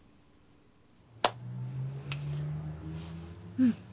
うん。